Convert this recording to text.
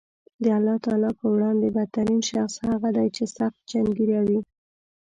د الله تعالی په وړاندې بد ترین شخص هغه دی چې سخت جنګېره وي